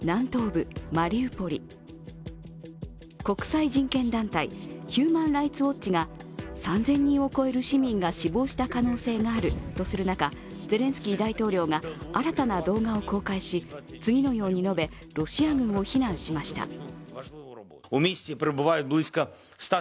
国際人権団体ヒューマン・ライツ・ウォッチが３０００人を超える市民が死亡した可能性があるとする中ゼレンスキー大統領が新たな動画を公開し次のように述べ、ロシア軍を非難しました。